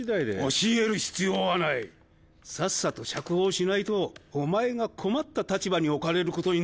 教える必要はないさっさと釈放しないとお前が困った立場に置かれることになるぞ。